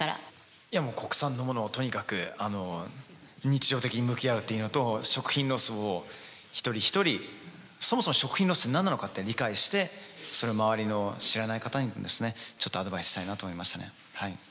いやもう国産のものをとにかく日常的に向き合うっていうのと食品ロスを一人一人そもそも食品ロスって何なのかって理解してそれを周りの知らない方にもですねちょっとアドバイスしたいなと思いましたねはい。